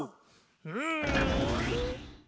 うん！